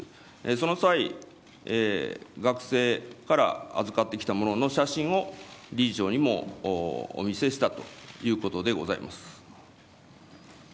その際、学生から預かってきたものの写真を理事長にもお見せしたということでございます。